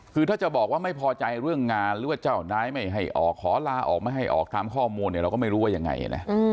คือถ้าจะบอกว่าไม่พอใจเรื่องงานหรือว่าเจ้านายไม่ให้ออกขอลาออกไม่ให้ออกตามข้อมูลเนี่ยเราก็ไม่รู้ว่ายังไงนะ